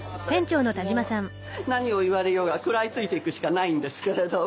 何を言われようが食らいついていくしかないんですけれども。